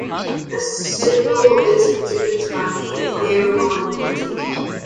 A stipule is considered "spiny" if they are long and pointy.